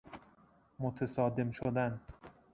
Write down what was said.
متصادم شدن